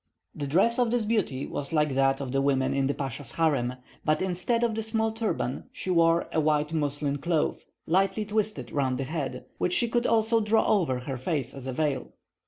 The dress of this beauty was like that of the women in the pasha's harem, but instead of the small turban, she wore a white muslin cloth lightly twisted round the head, which she could also draw over her face as a veil.